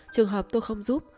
trường hợp tôi không giúp